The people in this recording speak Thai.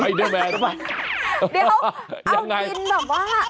เดี๋ยวเอาดินแบบว่าปิดตัวเองมิตรเลยค่ะ